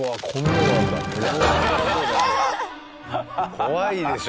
怖いでしょ。